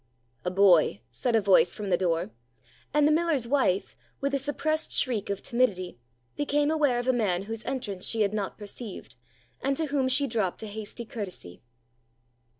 "A boy," said a voice from the door, and the miller's wife, with a suppressed shriek of timidity, became aware of a man whose entrance she had not perceived, and to whom she dropped a hasty courtesy.